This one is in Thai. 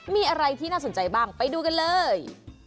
มีอะไรที่น่าสนใจบ้างไปดูกันเลย